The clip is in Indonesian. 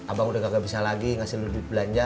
abang udah kagak bisa lagi ngasih lu duit belanja